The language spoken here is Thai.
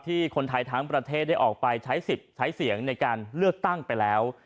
คนไทยทั้งประเทศได้ออกไปใช้สิทธิ์ใช้เสียงในการเลือกตั้งไปแล้ว